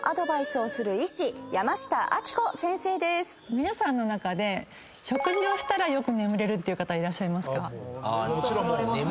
皆さんの中で食事をしたらよく眠れるっていう方いらっしゃいますか？